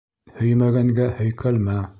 Һөймәгәнгә һөйкәлмә.